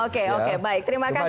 oke baik terima kasih